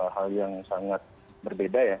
hal yang sangat berbeda ya